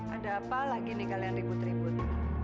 ada apalah gini kalian ribut ribut